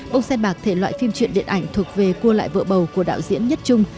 bông sen bạc thể loại phim truyện điện ảnh thuộc về cua lại vợ bầu của đạo diễn nhất trung